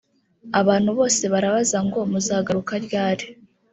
Abantu bose barabaza ngo muzagaruka ryari